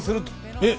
えっ！